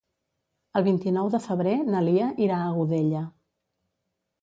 El vint-i-nou de febrer na Lia irà a Godella.